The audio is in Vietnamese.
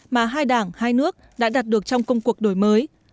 mà hai đảng hai nước đã đạt được trong công cuộc đổi mới